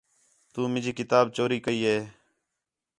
تُو مینجی کتاب چوری کَئی ہے